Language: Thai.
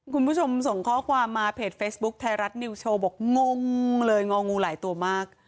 คุณผู้ชมส่งข้อความมาเพจเฟซบุ๊คไทยรัฐนิวโชว์บอกงงเลยงองูหลายตัวมาก